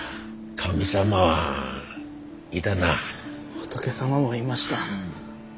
仏様もいました。